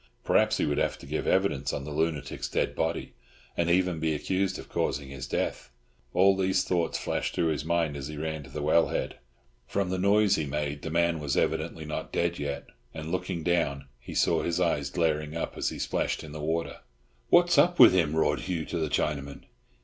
Perhaps he would have to give evidence on the lunatic's dead body, and even be accused of causing his death. All these thoughts flashed through his mind as he ran to the well head. From the noise he made the man was evidently not dead yet, and, looking down, he saw his eyes glaring up as he splashed in the water. "What's up with him?" roared Hugh to the Chinaman.